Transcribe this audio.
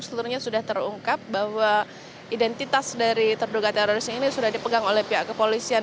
seluruhnya sudah terungkap bahwa identitas dari terduga teroris ini sudah dipegang oleh pihak kepolisian